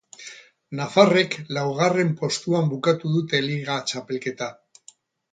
Nafarrek laugarren postuan bukatu dute liga txapelketa.